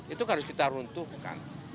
itu harus kita runtuhkan